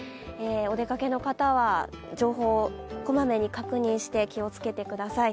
お出かけの方は情報をこまめに確認して気をつけてください。